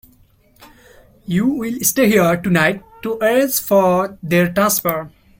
You will stay here tonight to arrange for their transfer?